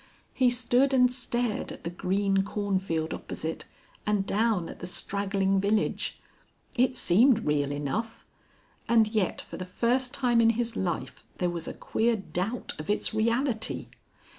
He stood and stared at the green cornfield opposite, and down at the straggling village. It seemed real enough. And yet for the first time in his life there was a queer doubt of its reality.